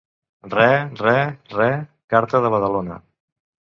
Re, re, re, carta de Badalona.